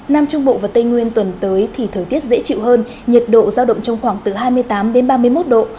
nam trung bộ và tây nguyên tuần tới thì thời tiết dễ chịu hơn nhiệt độ giao động trong khoảng từ hai mươi tám đến ba mươi một độ